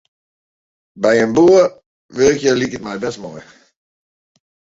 By in boer wurkje liket my bêst moai.